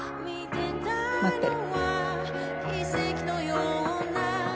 待ってる。